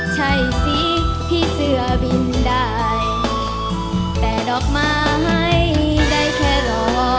ใช่สิพี่เสื้อบินได้แต่ดอกไม้ได้แค่รอ